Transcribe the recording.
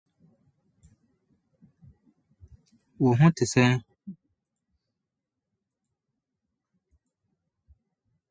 Changing sex can occur in various contexts.